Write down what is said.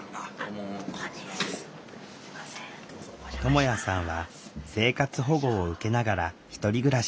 ともやさんは生活保護を受けながら１人暮らし。